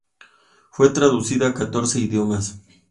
Fue traducida a catorce idiomas.